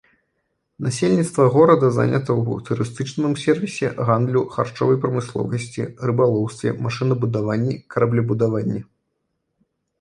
Насельніцтва горада занята ў турыстычным сэрвісе, гандлю, харчовай прамысловасці, рыбалоўстве, машынабудаванні, караблебудаванні.